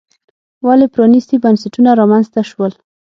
ولې پرانیستي بنسټونه رامنځته شول.